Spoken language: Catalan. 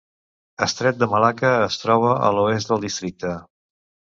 Estret de Malacca es troba a l'oest del districte.